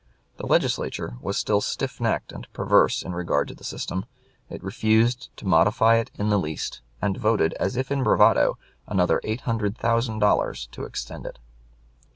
The Legislature was still stiff necked and perverse in regard to the system. It refused to modify it in the least, and voted, as if in bravado, another eight hundred thousand dollars to extend it.